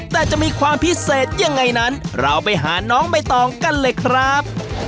แต่จะมีความพิเศษยังไงนั้นเราไปหาน้องใบตองกันเลยครับ